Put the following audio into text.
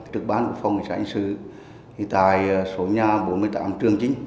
trực ban của phòng nghệ sản xứ tại số nhà bốn mươi tám trường chính